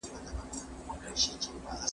علمي پوهه د انسانانو ژوند اسانه کوي.